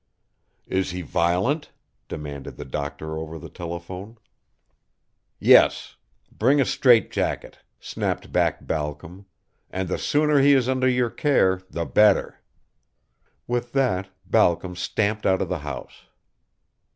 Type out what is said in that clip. "Is he violent?" demanded the doctor over the telephone. "Yes. Bring a strait jacket," snapped back Balcom. "And the sooner he is under your care the better." With that Balcom stamped out of the house.